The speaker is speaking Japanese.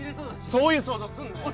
そういう想像すんなよ！